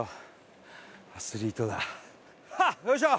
よいしょ！